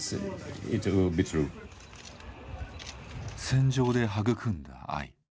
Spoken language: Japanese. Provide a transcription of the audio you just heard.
戦場で育んだ愛。